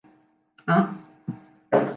Hein !